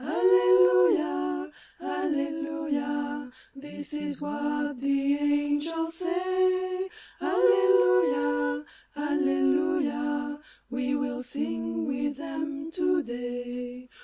Allelui^a, alleluia, this is what the angels say : Alleluia, alleluia, we will sing with them to day.